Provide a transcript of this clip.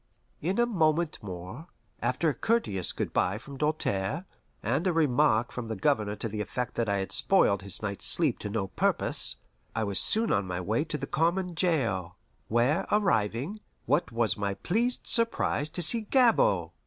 In a moment more, after a courteous good by from Doltaire, and a remark from the Governor to the effect that I had spoiled his night's sleep to no purpose, I was soon on my way to the common jail, where arriving, what was my pleased surprise to see Gabord!